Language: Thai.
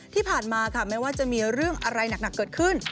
ที่ผ่านมาค่ะแม้ว่าจะมีเรื่องอะไรหนักเกิดขึ้น